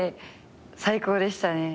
最高でしたね。